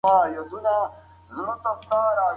استقامت ولرئ.